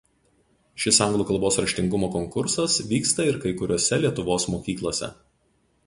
Šis anglų kalbos raštingumo konkursas vyksta ir kai kuriose Lietuvos mokyklose.